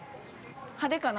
◆派手かな。